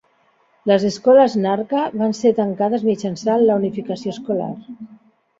Les escoles Narka van ser tancades mitjançant la unificació escolar.